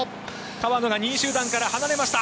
川野が２位集団から離れました。